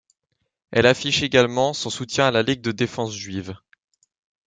Elle affiche également son soutien à la Ligue de Défense Juive.